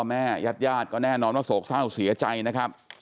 ญาติญาติก็แน่นอนว่าโศกเศร้าเสียใจนะครับ